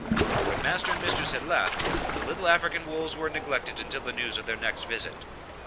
But when Master and Mistress had left, the little African wools were neglected until the news of their next visit.